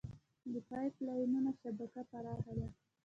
د پایپ لاینونو شبکه پراخه ده.